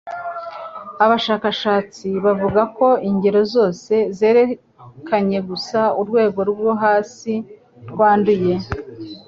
Abashakashatsi bavuga ko ingero zose zerekanye gusa “urwego rwo hasi” rwanduye,